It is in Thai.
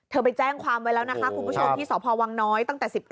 ไปแจ้งความไว้แล้วนะคะคุณผู้ชมที่สพวังน้อยตั้งแต่๑๙